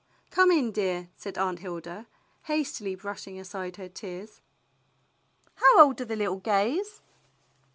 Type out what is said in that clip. " "Come in, dear," said Aunt Hilda, hastily brush ing aside her tears. "How old are the little Gays.